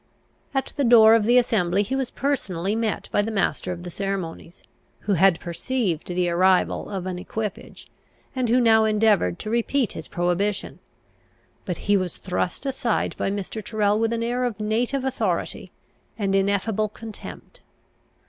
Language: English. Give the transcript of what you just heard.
At the door of the assembly he was personally met by the master of the ceremonies, who had perceived the arrival of an equipage, and who now endeavoured to repeat his prohibition: but he was thrust aside by Mr. Tyrrel with an air of native authority and ineffable contempt.